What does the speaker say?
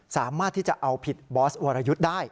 สามารถที่จะเอาผิดบอสวรยุทธ์ได้